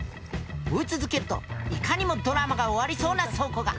追い続けるといかにもドラマが終わりそうな倉庫が。